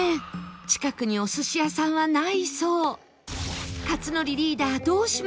近くにお寿司屋さんはないそう